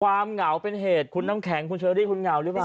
เหงาเป็นเหตุคุณน้ำแข็งคุณเชอรี่คุณเหงาหรือเปล่า